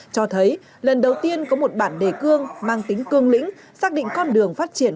cho thấy lần đầu tiên có một bản đề cương mang tính cương lĩnh xác định con đường phát triển